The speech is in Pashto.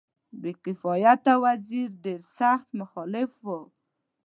بې کفایته وزیر ډېر سخت مخالف وو.